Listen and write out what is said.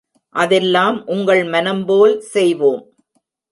அதெல்லாம் உங்கள் மனம்போல் செய்வோம்.